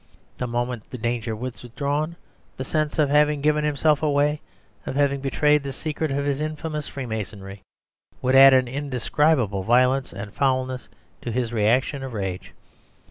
The moment the danger was withdrawn, the sense of having given himself away, of having betrayed the secret of his infamous freemasonry, would add an indescribable violence and foulness to his reaction of rage.